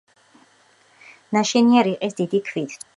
ნაშენია რიყის დიდი ქვით, წყობა მშრალია.